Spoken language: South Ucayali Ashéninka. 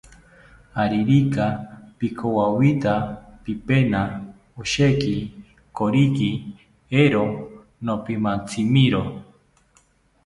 Aririka pikowawita pipena osheki koriki, eero nopimantzimiro